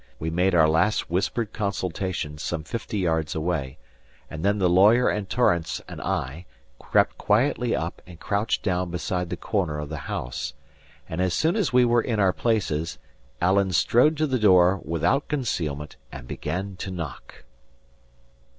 We made our last whispered consultations some fifty yards away; and then the lawyer and Torrance and I crept quietly up and crouched down beside the corner of the house; and as soon as we were in our places, Alan strode to the door without concealment and began to knock.